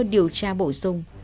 điều tra bổ sung